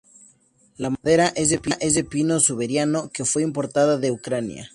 La madera es de pino siberiano que fue importada de Ucrania.